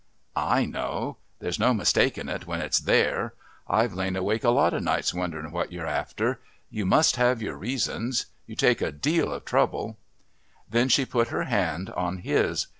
"I know there's no mistakin' it when it's there. I've lain awake a lot o' nights wondering what you're after. You must have your reasons. You take a deal o' trouble." Then she put her hand on his.